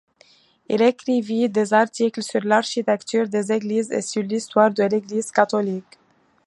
Il écrivit des articles sur l'architecture des églises et sur l'histoire de l’Église catholique.